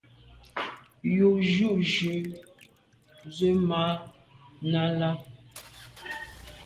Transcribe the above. Jù jujù ze màa na là.